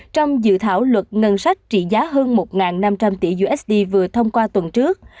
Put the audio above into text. trong dự thảo luật ngân sách trị giá hơn một năm trăm linh tỷ usd vừa thông qua tuần trước